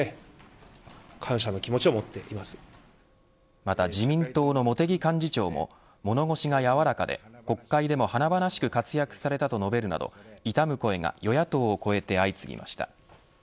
また、自民党の茂木幹事長も物腰が柔らかで国会でも華々しく活躍されたと述べるなど悼む声が与野党を超えて相次ぎました。